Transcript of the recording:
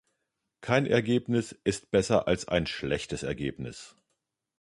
Kein Ergebnis ist besser als ein schlechtes Ergebnis.